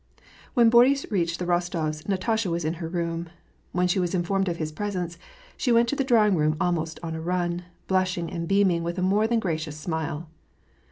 When Boris reached the llostofs', Natasha was in her room. When she was informed of his presence, she went to the draw ing room almost on a run, blushing and beaming with a more than gracious smile.